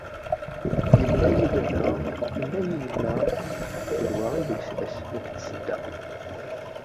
Yemla-yi baba, tenna-yi yemma, d wa i d lsas nekk d tsedda.